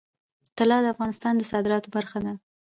طلا د افغانستان د صادراتو برخه ده.